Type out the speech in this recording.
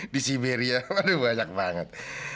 di siberia ada banyak banget